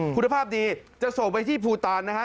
คุณภาพดีจะส่งไปที่ภูตานนะฮะ